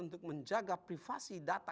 untuk menjaga privasi data